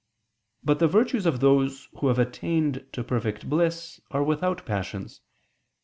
But the virtues of those who have attained to perfect bliss are without passions.